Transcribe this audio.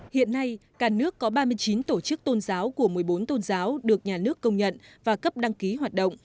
hiện nay cả nước có ba mươi chín tổ chức tôn giáo của một mươi bốn tôn giáo được nhà nước công nhận và cấp đăng ký hoạt động